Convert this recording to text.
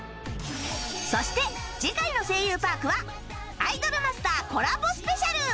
そして次回の『声優パーク』は『アイドルマスター』コラボスペシャル！